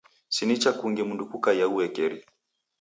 Si nicha kungi mndu kukaia uekeri.